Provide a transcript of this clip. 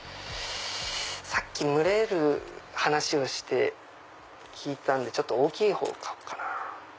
さっき蒸れる話を聞いたんで大きいほうを買おうかな。